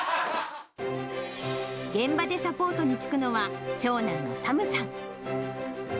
現場でサポートにつくのは、長男のサムさん。